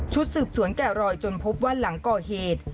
สืบสวนแก่รอยจนพบว่าหลังก่อเหตุ